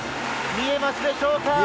見えますでしょうか。